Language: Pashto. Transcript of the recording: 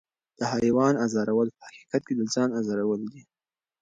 د حیوان ازارول په حقیقت کې د ځان ازارول دي.